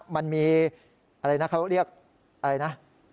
มันมีอะไรนะเขาเรียกอะไรนะ